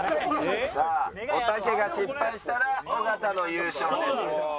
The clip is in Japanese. さあおたけが失敗したら尾形の優勝です。